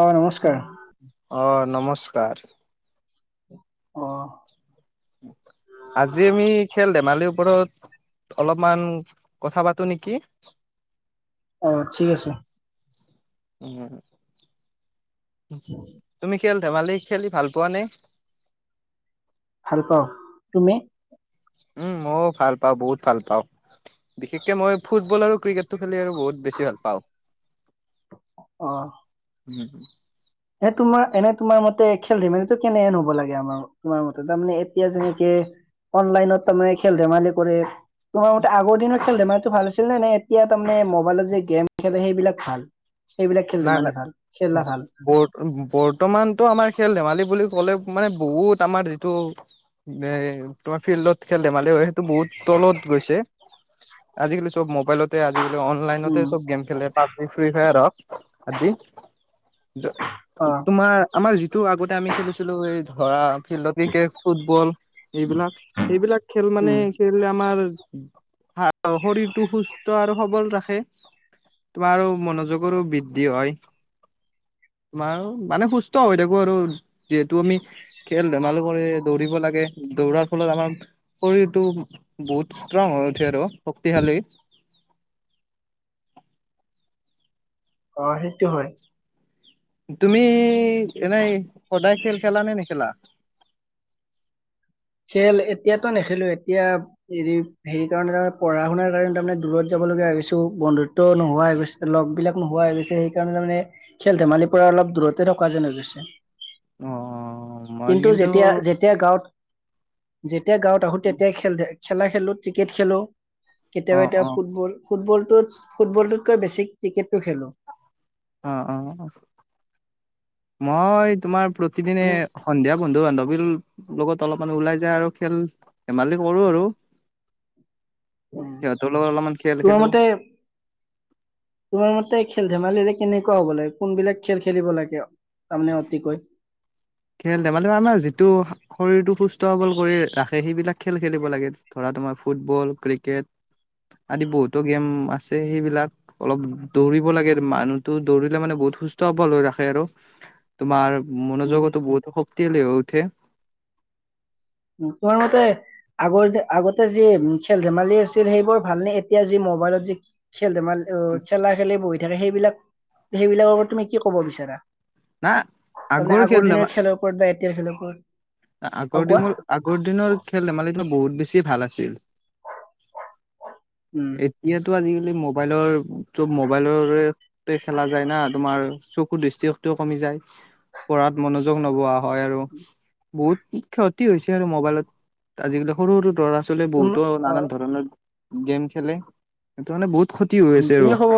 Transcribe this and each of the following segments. অ', নমস্কাৰ। অঁ, নমস্কাৰ। অ। আজি আমি খেল ধেমালিৰ ওপৰত অলপমান কথা পাতো নেকি? অ', ঠিক আছে। উম। তুমি খেল ধেমালি, খেলি ভাল পোৱা নে? ভাল পাওঁ, তুমি? উম, মই ভাল পা বহুত ভাল পাওঁ, বিশেষকে মই ফুটবল আৰু ক্ৰিকেটটো খেলি আৰু বহুত বেছি ভাল পাওঁ। উম। এ তোমাৰ এনে তোমাৰ মতে খেল ধেমালিটো কেনেহেন হব লাগে আমাৰ, তোমাৰ মতে তাৰমানে এতিয়া যেনেকে অনলাইনত তাৰমানে খেল ধেমালি কৰে। তোমাৰ মতে আগৰ দিনত খেল ধেমালিটো ভাল আছিল নে? নে নাই এতিয়া তাৰমানে মোবাইলত যে গেম খেলে সেইবিলাক ভাল। সেইবিলাক খেল ধেমালি ভাল খেলা ভাল। বৰ্তমানতটো আমাৰ খেল ধেমালি বুলি ক'লে, মানে বহুত আমাৰ যিটো এ তোমাৰ ফিল্ডত খেল ধেমালি হয় টো বহুত তলত গৈছে। আজিকালি চব মাব মোবাইলতে আজিকালি অনলাইনতে উম চব গেম খেলে পাবজি ফ্ৰী ফায়াৰ হক। আদি, অ তোমাৰ আমাৰ যিটো আগতে আমি খেলিছিলো ধৰা খিল্ড ক্ৰিকেট, ফুটবল এইবিলাক, এইবিলাক খেল মানে উম খেলিলে আমাৰ শৰীৰটো সুস্থ আৰু সবল ৰাখে, তোমাৰো মনোযোগৰো বি দি হয়, আমাৰ মানে সুস্থ হৈ থাকো আৰু, যিহেতু আমি খেল ধেমালি কৰি দৌৰিব লাগে, দৌৰাৰ ফলত আমাৰ শৰীৰটো বহুত ষ্ট্ৰং হৈ উঠি আৰু শক্তিশালী। অ', সেইটো হয়। তুমি এনেই সদায় খেল খেলা নে নেখেলা? খেল এতিয়াতো নেখেলো, এতিয়া হে হেৰি কাৰণে তামানে পঢ়া শুনাৰ কাৰণে তামানে দূৰত যাব লগীয়া হৈছো, বন্ধুত্ব নোহোৱা হৈ গৈছে, লগবিলাক নোহোৱা হৈ গৈছে, সেইকাৰণে তামানে খেল ধেমালিৰ পৰা অলপ দূৰতে থকা যেন হৈ গৈছে। অ', মই কিন্তু যেতিয়া যেতিয়া গাঁৱত যেতিয়া গাঁৱত আহো তেতিয়াই খেল দে খেলা খেলো ক্ৰিকেট খেলো। কেতিয়াবা অ', এতিয়া অ', ফুটবল, ফুটবল ফুটবলটোতকৈ বেছি ক্ৰিকেটটো খেলোঁ। অ', অ', মই তোমাৰ প্ৰতিদিনে সন্ধিয়া বন্ধু বান্ধৱীৰ লগত অলপ মানে ওলাই যায় আৰু খেল ধেমালি কৰো আৰু। সিহঁতৰ লগত অলপমান খেল তোমাৰ খেলো মতে, তোমাৰ মতে খেল ধেমালিৰে কেনেকুৱা হ'ব লাগে, কোনবিলাক খেল খেলিব লাগে, তাৰমানে অতিকৈ? খেল ধেমালি মানে আমাৰ যিটো শৰীৰটো সুস্থ সবল কৰি ৰাখে সেইবিলাক খেল খেলিব লাগে ধৰা তোমাৰ ফুটবল ক্ৰিকেট আদি বহুতো গেম আছে সেইবিলাক অলপ দৌৰিব লাগে মানুহটো দৌৰিলে মানে বহুত সুস্থ সবল হৈ ৰাখে আৰু তোমাৰ উম মনোযোগত শক্তিশালী হৈ উঠে তোমাৰ মতে আগৰ আগতে যি খেল ধেমালি আছিল সেইবোৰ ভালনেে এতিয়া যি মোবাইলত যি খেল ধেমাল অ খেলা খেলি বহি থাকে সেইবিলাক সেইবিলাকৰ আগত তুমি কি কব বিচাৰা ন আগৰ খেল ধেমা এতিয়া খনেুৱ [unintelligible] আগৰ দিনবোৰ আগৰ দিনৰ খেল ধেমালি বিলাক বহুত বেছি ভাল আছিল উম এতিয়াটো আজিকালি মোবাইলৰ চব মোবাইলৰেতে খেলা যায় না তোমাৰ চকু দৃষ্টিশক্তিও কমি যায়, পঢ়াত মনোযোগ নবহাও হয় আৰু বহুত ক্ষতি হৈছে আৰু মোবাইলত আজিকালি সৰু সৰু ল'ৰা আচ তুম বহুতো অ নানান ধৰণৰ [unintelligible] গেম খেলে হেটো মানে বহুত ক্ষতি হৈ আছে আৰু তুমি কব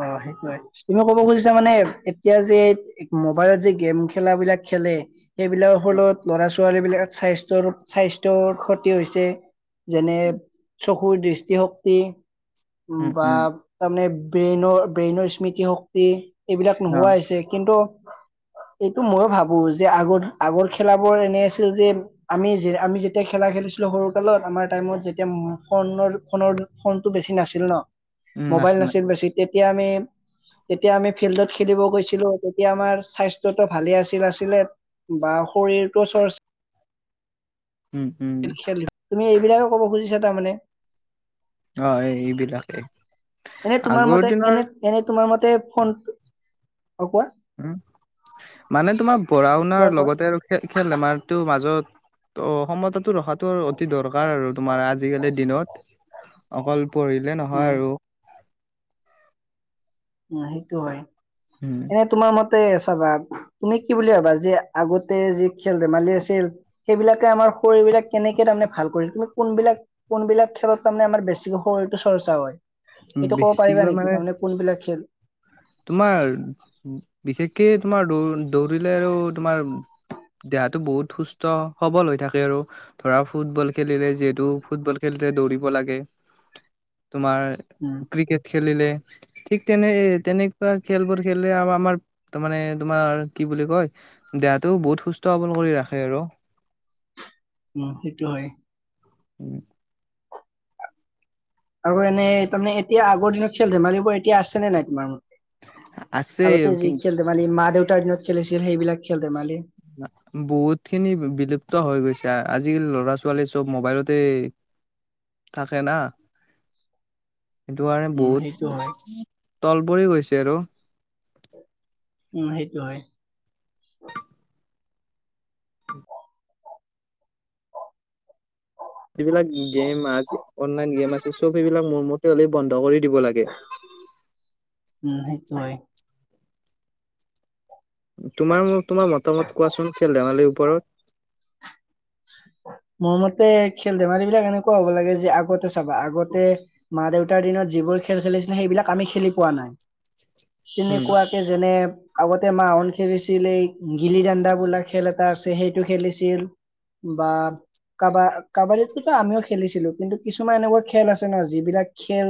অ সেইটোোৱে তুমি ক'ব খুজিছা মানে এতিয়া যে মোবাইলত যে গেম খেলাবিলাক খেলে সেইবিলাকৰ ফলত ল'ৰা ছোৱালী বিলাক স্বাস্থ্যৰ স্বাস্থ্যৰ ক্ষতি হৈছে যেনে চকুৰ দৃষ্টিশক্তি উ উম বা উম তাৰমানে [unintelligible] ব্ৰেইনৰ ব্ৰেইনৰ স্মৃতিশক্তি এইবিলাক অ নোহোৱা হৈছে কিন্তু এইটো মইও ভাবো যে আগৰ আগৰ খেলাাবোৰ এনে আছিল যে আমি যে আমি যেতিয়া খেলা খেলিছিলো সৰু কালত আমাৰ টাইমত যেতিয়া ফোনৰ ফোনৰ বেছি নাছিল ন মোবাইল নাছিল বেছি তেতিয়া আমি যেতিয়া আমি ফিল্ডত খেলিব গৈছিলো তেতিয়া আমাৰ স্বাস্থ্য ভালে আছিল আছিলে বা শৰীৰটো চৰ্চা উম উম আছিল খেল তুমি এইবিলাকে ক'ব খুজিছা তাৰমানে অ এইবিলাকেই এনে তোমাৰ আগৰ মতে এনে দিনৰ এনে তোমাৰ মতে ফোনটো অ কোৱা উম মানে তোমাৰ পঢ়া কোৱা শুনাৰ কোৱা লগতে আৰু খেল খেল ধেমালিটোৰ মাজতো সমতাটো ৰখাতো অতি দৰকাৰ আৰু তোমাৰ আজিকালিৰ দিনত অকল পঢ়িলে নহয় উম আৰু উ সেইটো হয় উম এনে তোমাৰ মত চাবা তুমি কি বুলি ভাবা যে আগতে যি খেল ধেমালি আছিল সেইবিলাকে আমাৰ শৰীৰবিলাক কেনেকে তাৰমানে ভাল কৰিছিল তুমি কোনবিলাক কোনবিলাক খেলত তাৰমানে আমাৰ বেছিকে শৰীৰটো চৰ্চা হয় সেইটো ক'ব পাৰিবা বেছিকৈ নেকি মানে তাৰমানে কোনবিলাক খ তোমাৰ বিশেষকে তোমাৰ দৌ দৌৰিলে আৰু তোমাৰ দেহাটো বহুত সুস্থ সবল হৈ থাকে আৰু ধৰা ফুটবল খেলিলে যিহেতু ফুটবল খেলিলে দৌৰিব লাগে তোমাৰ উম, ক্ৰিকেট খেলিলে ঠিক তেনে এ তেনে খেলবোৰ খেলিলে আৰু আমাৰ তাৰ মানে তোমাৰ কি বুলি কয়, দেহটো বহুত সুস্থ সৱল কৰি ৰাখে আৰু। উ সেইটো হয়। উম। আৰু এনেই তাৰমানে এতিয়া আগৰ দিনত খেল -ধেমালিবোৰ এতিয়া আছে নে নাই তোমাৰ ম? আছে আগতে যি খেল- ধেমালি মা-দেউতা দিনত খেলিছিল সেইবিলাক খেল ধেমালি বহুত খিনি বিলুপ্ত হৈ গৈছে। আজিকালি ল'ৰা ছোৱালী চব মোবাইলতে থাকে না। সেইটো কাৰণে উম, বহুত সেইটো হয়। তল পৰি গৈছে আৰু। উম সেইটো হয় যিবিলাক গেম আজি অনলাইন গেম আছে, চব সেইবিলাক মোৰ মতে হলে বন্ধ কৰি দিব লাগে। উম সেইটো হয়। তোমাৰ তোমাৰ মতামত কোৱাচোন খেল-ধেমালিৰ ওপ ওপৰত। মোৰ মতে খেল ধেমালি বিলাক এনেকুৱা হ'ব লাগে যে আগতে চাবা আগতে মা-দেউতাৰ দিনত যিবোৰ খেল খেলিছিলে সেইবিলাক আমি খেলি পোৱা নাই। উম। তেনেকুৱাকে যেনে আগতে মাহোন খেলিছিল এই গিলি দান্দা বোলা খেল এটা আছে সেইটো খেলিছিল। বা কাবা- কাবাডীতো আমিও খেলিছিলো কিন্তু কিছুমান এনেকুৱা খেল আছে ন যিবিলাক খেল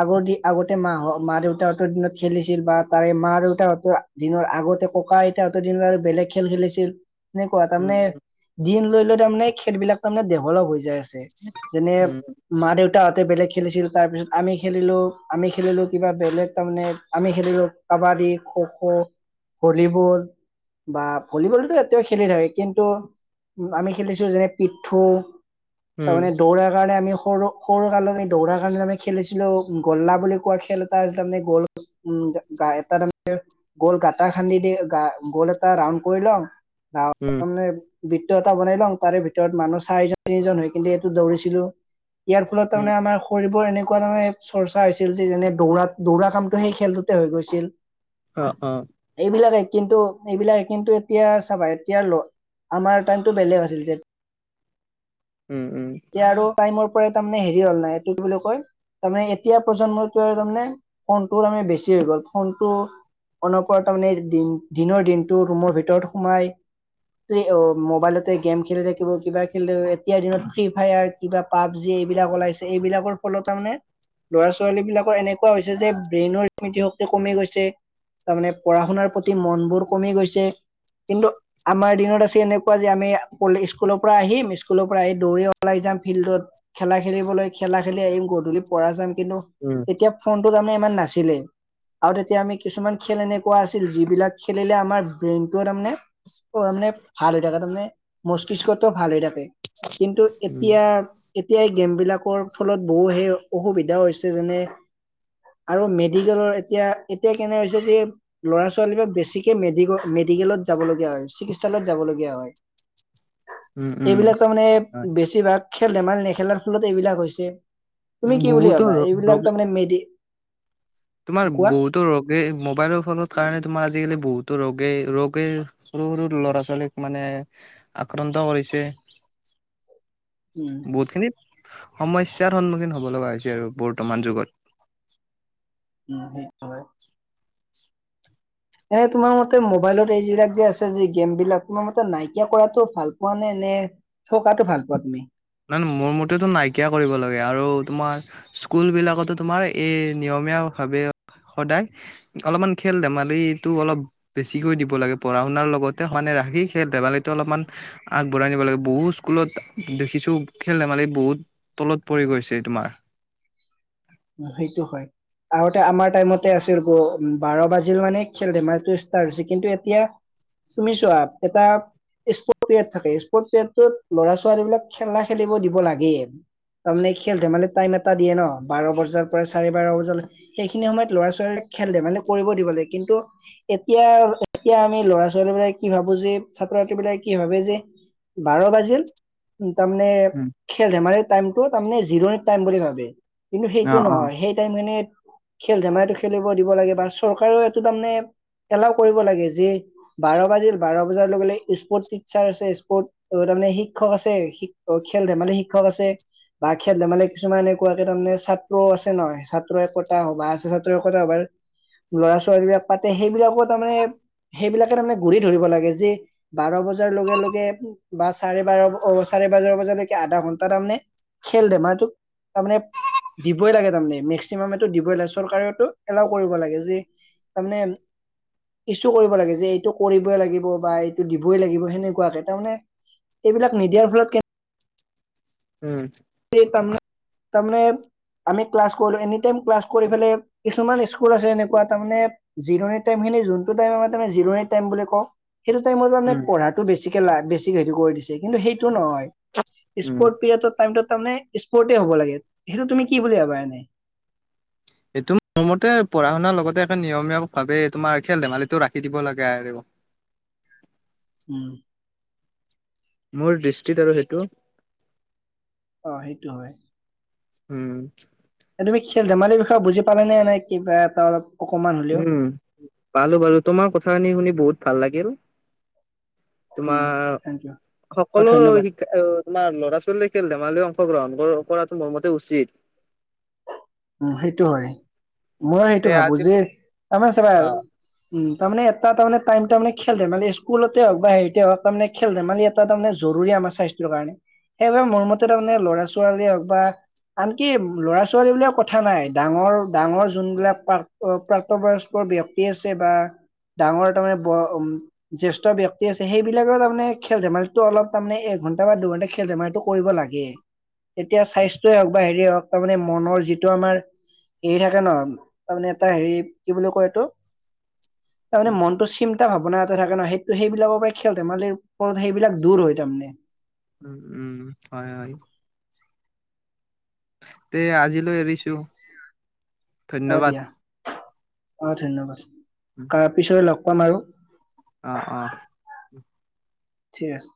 আগৰ দি আগতে মাহ মা-দেউতাহঁতৰ দিনত খেলিছিল বা তাৰে মা-দেউতাহঁতৰ দিনৰ আগতে ককা আইতাহঁতৰ দিনত আৰু বেলেগ খেল খেলিছিল। এনেকুৱা উম তাৰমানে দিন লৈ তাৰমানে খেলবিলাক তাৰেমানে ডেভেলপ হৈ যায় আছে। যেনে উম মা-দেউতাহত বেলেগ খেলিছিল। তাৰ পিছত আমি খেলিলো, আমি খেলিলো কিবা বেলেগ। তাৰমানে আমি খেলিলো কাবাডী, খো-খো, ভলীবল বা ভলীবলতো এতিয়াও খেলি থাকে। কিন্তু আমি খেলিছো যেনে পিঠু উম তাৰমানে দৌৰাৰ কাৰণে আমি সৰু -সৰু কালি দৌৰাৰ কাৰণে আমি খেলিছিলো গল্লা বুলি কোৱা খেল এটা আছিল। তাৰমানে গল উ এটা তাৰে গল গাটা খান্দি দি গল এটা ৰাউণ্ড কৰি লওঁ। উম তাৰমানে বৃত্ত এটা বনাই লওঁ তাৰে ভিতৰত মানুহ চাৰিজন-তিনিজন হৈ কেনে এইটো দৌৰিছিলো ইয়াৰ ফলত উম তাৰমানে আমাৰ শৰীৰৰ এনে তেনেকুৱা চৰ্চা হৈছিল যি যেনে দৌৰা দৌৰা কামটো সেই খেলটোতে হৈ গৈছিল। অ অ। এইবিলাকে কিন্তু এইবিলাকে কিন্তু এতিয়া চাবা এতিয়া আমাৰ টাইমতটো বেলেগ আছিল। [unintelligible] উম উম। এতিয়া আৰু টাইমৰ পৰাই তাৰমানে হেৰি হ'ল, নাই এইটো বুলি কয় তাৰে এতিয়া প্ৰজন্মটো তাৰমানে ফোনটো তাৰমানে বেছি হৈ গ'ল, ফোনটো অন পৰা তাৰমানে দিনৰ দিনটো ৰুমৰ ভিতৰত সোমাই, মোবাইলতে গেম খেলি থাকিব কিবা খেলি থাকিব, এতিয়াৰ দিনত ফ্ৰী ফায়াৰ কিবা পাবজি এইবিলাক ওলাইছে এইবিলাকৰ ফলত তাৰমানে ল'ৰা ছোৱালীবিলাকৰ এনেকুৱা হৈছে যে ব্ৰেইনৰ স্মৃতিশক্তি কমি গৈছে, তাৰমানে পঢ়া শুনাৰ প্ৰতি মনবোৰ কমি গৈছে কিন্তু আমাৰ দিনত আছে এনেকুৱা যে আমি স্কুলৰ পৰা আহিম স্কুলৰ পৰা আহি দৌৰি ওলাই যাম ফিল্ডত খেলা খেলিবলৈ খেলা খেলি আহিম গধূলি পৰাা যাম কিন্তু উম এতিয়া ফোনটোত আমি মান নাছিলে আৰু তেতিয়া আমি কিছুমান খেল এনেকুৱা আছিল যিবিলাক খেলিলে আমাৰ ব্ৰেইনতটো তাৰমানে ভাল হৈ থাকে তাৰমানে মস্তিষ্কতটো ভাল হৈ থাকে কিন্তু উম এতিয়া এতিয়াই গেম বিলাকৰ ফলত বহু সেই অসুবিধা হৈছে যেনে আৰু মেডিকেলৰ এতিয়া এতিয়া কেনে হৈছে যে ল'ৰা ছোৱালী বা বেছিকে মেডিকেল মেডিকেলত যাবলগীয়া হয়, চিকিৎসালয়ত যাবলগীয়া হয়। উম উম এইবিলাক তাৰমানে হয় বেছিভাগ খেল-ধেমালি নেখেলাৰ ফলত এইবিলাক হৈছে তুমি উম কি বুলি বহুতো ভাবা ৰ এইবিলাক তাৰমানে মেডি তোমাৰ কোৱা বহুতো ৰোগে মোবাইলৰ ফলত কাৰণে তোমাৰ আজিকালি বহুত তো ৰোগ- ৰোগে, সৰু সৰু ল'ৰা ছোৱালীক মানে আক্ৰান্ত কৰিছে। উম বহুতখিনি সমস্যাৰ সন্মুখীন হ'ব লগা হৈছে আৰু বৰ্তমান যুগত। উম সেই হয়। এ তোমাৰ মতে মোবাইলত এইবিলাক যে আছে যে গেমবিলাক তোমাৰ মতে নাইকিয়া কৰাতো ভাল পোৱা নে নে থকটো ভাল পোৱা তুমি মান মোৰ মতেতো নাইকিয়া কৰিব লাগে আৰু তোমাৰ স্কুলবিলাকতো তোমাৰ এই নিয়মীয়া ভাৱে সদায় অলপমান খেল -ধেমালিটো অলপ বেছিকৈ দিব লাগে, পঢ়া শুনাৰ লগতে সানাই ৰাখি খেল ধেমালিটো অলপমান আগবঢ়াই নিব লাগে, বহুত স্কুলত দেখিছোঁ টো খেল ধেমালি বহুত তলত পৰি গৈছে তোমাৰ সেইটো হয় আগতে আমাৰ টাইমতে আছিল গ বাৰ বাজিল মানে খেল ধেমালি ষ্টাৰট হৈছে কিন্তু এতিয়া তুমি চোৱা এটা স্পৰ্ট পিৰিয়ড থাকে স্পৰ্ট পিৰিয়ডত ল'ৰা ছোৱালী বিলাক খেলা খেলিব দিব লাগেই তাৰমানে খেল ধেমালিত টাইম এটা দিয়ে ন বাৰ বজাৰ পৰা চাৰে বাৰ বজালে সেইখিনি সময়ত ল'ৰা ছোৱালীাক খেললে মানে কৰিব দিব লাগে কিন্তু এতিয়া এতিয়া আমি ল'ৰা ছোৱালী বিলাক কি ভাবো যে ছাত্ৰ ছাত্ৰী বিলাক কি ভাবে যে বাৰ বাজিল তামানে উম, খেলে ধেমালি টাইমটো তে জিৰণিত টাইম বুলি ভাবে কিন্তু অ সেইটো অ নহয় সেই টাইম খিনিত খেল ধেমালিতটো খেলিব দিব লাগে বা চৰকাৰেও এইটো তাৰমানে এলাও কৰিব লাগে যে বাৰ বাজিল বাৰ বজাৰ লগে লগে স্পৰ্ট টিচাৰ আছে স্পৰ্ট তাৰমানে শিক্ষক আছে খেল ধেমালি শিক্ষক আছে বা খেল ধেমালি কিছুমান এনেকুৱা তাৰমানে ছাত্ৰও আছে নহয় ছাত্ৰ একতা সভা আছে ছাত্ৰ একতা সভাৰ ল'ৰা ছোৱালী বিলাক পাতে সেইবিলাকৰ তাৰমানে সেইবিলাকে তাৰমানে ঘূৰি ধৰিব লাগে যে বাৰ বজাৰ লগে লগে বা চাৰে বাৰ চাৰে বাৰ বজালৈকে আধা ঘন্টা তাৰমানে খেল ধেমালটোোক তাৰানে দিবই লাগে তাৰে মেক্সিমামটো দিবই লাগে চৰকাৰেওটো এলাও কৰিব লাগে যে তাৰমানে ইছু কৰিব লাগে যে এইটো কৰিবই লাগিব বা এইটো দিবই লাগিব সেনেকুৱাকে তাৰমানে এইবিলাক নিদিয়াৰ ফলত কে উম তাৰে আমি্লাো এাই্লা কিছুমান স্ুল আছে এনেকুৱা তাৰ জিৰণিৰিৰণিৰ াইম বুলি ক এইটো টাইমত মানে উম, পঢ়াতটো বেছি লাখ বেছিক সেটো কৰি দিছে কিন্তু সেই নহয় উম স্পৰ্ট পিৰিয়ডৰ টাইমটোত তাৰমানে স্পৰ্টে হ'ব লাগে। সেইটো তুমি কি বুলি ভাবা এনে? এইটো মোৰ মতে পঢ়া শুনাৰ লগতে এখন নিয়মীয়া ভাৱে তোমাৰ খেল-ধেমালিটো ৰাখি দিব লাগে আৰু। উম মোৰ দৃষ্টিত আৰু সেইটো অ সেইটো হয়। উম তুমি খেল-ধেমালিৰ বিষয়ে বুজি পালে নে কিবা এটা অলপ? অকমান হ'লেও উম পালো বাৰু তোমাৰ কথাখিনি শুনি বহুত ভাল লাগিল। উম তোমাৰ থেংক ইউ অ সকলো ধন্যবাদ শিক্ষা তোমাৰ ল'ৰা ছোৱালী খেল ধেমালি অংশগ্ৰহণ কৰাটো মোৰ মতে উচিত উ সেইটো হয় মই সেইটো তে ভাবো আজি যে আমছে ব অ উম তাৰমানে এটা তাৰমানে টাইম তাৰে খেল ধেমালি স্কুলতে হওক বা হেৰিতে হক তাৰে খেল ধেমালি এটা তাৰে জৰুৰী আমাৰ স্বাস্থ্যৰ কাৰণে সেইবাবে মোৰ মতে তাৰমানে লৰা ছোৱালীয়ে হওক বা আনকি ল'ৰা ছোৱালী বুল ক নাই ডাঙৰ ডাঙৰ যোনবিলাকাক প্ৰাক্তবয়স্কৰ ব্য়ক্তি আছে বা ডাঙৰ তাৰমানে জ্েষ্ঠ ব্ক্তি আছে সেইবিলাকে তাৰমানে খেল ধেমালিটো অলপ তাৰমানে এঘন্টা বা দুঘন্টা খেল ধেমালিটো কৰিব লাগে তেতিয়া স্বাস্থয়ই হওক বা হেৰিয়ে হওক তাৰানে মনৰ যি এইটো আমাৰ হেৰি থাকে ন তাৰমানে এটা হেৰি কি বুলিো কয় এইটো তাৰ মানে মনন্তসিম এটা ভাৱনা এটা থাকে ন সেইটো সেইবিলাকৰ পৰাই খেল তমালে ওপৰত সেইবিলাক দূ হয় তাৰমানে উম উম হয় হয় তে আজিলৈ এৰিছো ধন্যবাদ অঠেন বছ তাৰ পিছৰে লগ কমাৰু অ অ ঠিক আছে